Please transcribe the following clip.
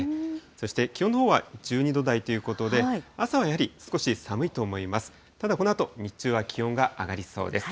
そして気温のほうは１２度台ということで、朝はやはり、少し寒いと思います。